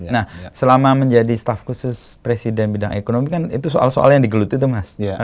nah selama menjadi staff khusus presiden bidang ekonomi kan itu soal soal yang digeluti tuh mas